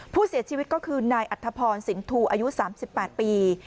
ผู้เสียชีวิตก็คือนายอัธพรสินทูอายุ๓๘ปี